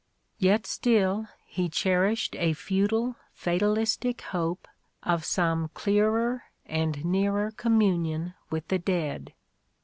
Yet still he cherished a futile fatalistic hope of some clearer and nearer communion with the dead.